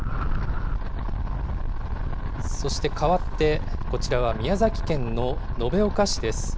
そして、かわってこちらは宮崎県の延岡市です。